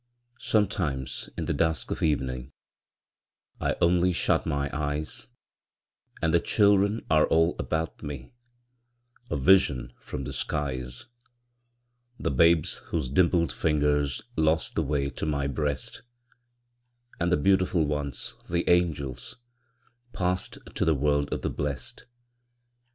Sometimes, in the dusk of evening, I only shut my eyes, And the children are all about me, A vision from the skies: The babes whose dimpled fingers Lost the way to my breast, And the beautiful ones, the angels, Passed to the world of the blest.